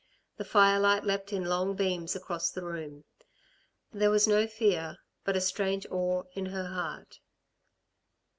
The firelight leapt in long beams across the room. There was no fear but a strange awe in her heart.